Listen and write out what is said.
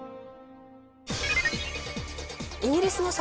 イギリスの